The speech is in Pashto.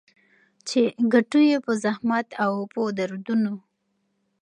چي ګټو يې په زحمت او په دردونو